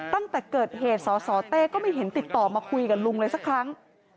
ตั้งแต่เกิดเหตุสสเต้ก็ไม่เห็นติดต่อมาคุยกับลุงเลยสักครั้ง